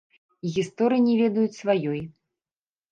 І гісторыі не ведаюць сваёй.